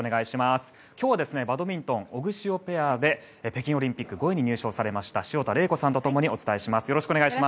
今日はバドミントンオグシオペアで北京オリンピック５位入賞潮田玲子さんとよろしくお願いします。